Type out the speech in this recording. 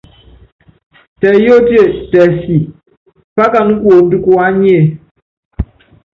Tɛ yóótíe, tɛ sí, pákaná kuondo kuányíe ?